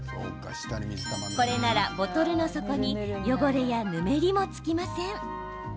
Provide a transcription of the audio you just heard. これなら、ボトルの底に汚れや、ぬめりもつきません。